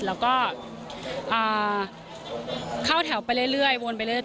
แล้วก็เข้าแถวไปเรื่อยวนไปเรื่อย